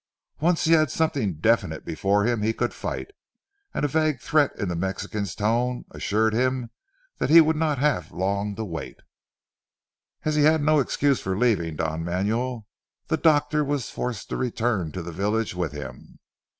Once he had something definite before him he could fight; and a vague threat in the Mexican's tone assured him that he would not have long to wait. As he had no excuse for leaving Don Manuel the doctor was forced to return to the village with him.